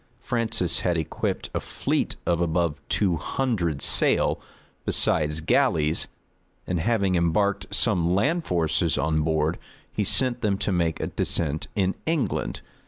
Francis had equipped a fleet of above two hundred sail, besides galleys; and having embarked some land forces on board, he sent them to make a descent in England.